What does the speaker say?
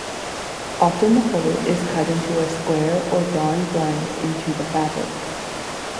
Often the hole is cut into a square or darn blends into the fabric.